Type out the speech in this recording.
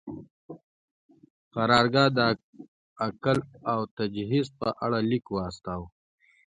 قرارګاه د اکل او تجهیز په اړه لیک واستاوه.